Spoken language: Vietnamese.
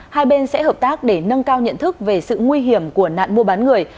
hai bên sẽ hợp tác để nâng cao nhận thức về sự nguy hiểm của nạn mua bán người